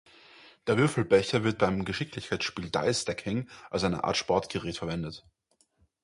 Der Würfelbecher wird beim Geschicklichkeitsspiel Dice Stacking als eine Art Sportgerät verwendet.